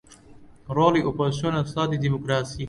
ڕۆڵی ئۆپۆزسیۆن لە دەسەڵاتی دیموکراسی